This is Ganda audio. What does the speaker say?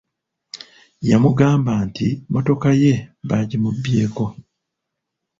Yamugamba nti mmotoka ye baagimubbyeko.